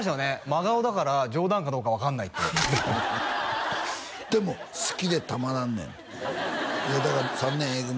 「真顔だから冗談かどうか分かんない」ってでも好きでたまらんねんってだから「３年Ａ組」